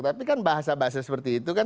tapi kan bahasa bahasa seperti itu kan